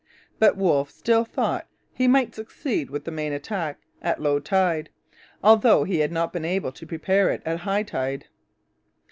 But Wolfe still thought he might succeed with the main attack at low tide, although he had not been able to prepare it at high tide.